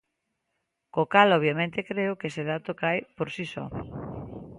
Co cal obviamente creo que ese dato cae por si só.